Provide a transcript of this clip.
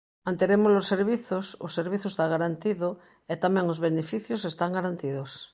Manteremos os servizos, o servizo está garantido e tamén os beneficios están garantidos.